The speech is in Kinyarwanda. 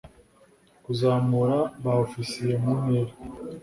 kuzamura ba ofisiye mu ntera